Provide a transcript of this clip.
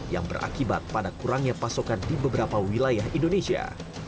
yang berakibat pada kurangnya pasokan di beberapa wilayah indonesia